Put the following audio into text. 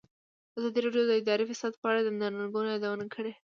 ازادي راډیو د اداري فساد په اړه د ننګونو یادونه کړې.